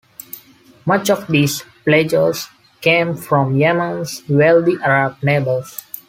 Much of these pledges came from Yemen's wealthy Arab neighbors.